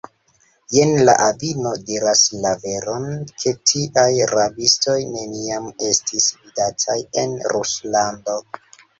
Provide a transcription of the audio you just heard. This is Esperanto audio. Jen la avino diras la veron, ke tiaj rabistoj neniam estis vidataj en Ruslando.